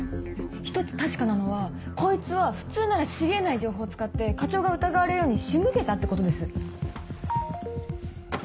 １つ確かなのはこいつは普通なら知り得ない情報を使って課長が疑われるように仕向けたってことです。